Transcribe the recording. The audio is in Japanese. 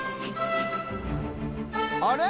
あれ？